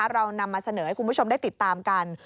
เรานำมาเสนอให้คุณผู้ชมได้ติดตามกัน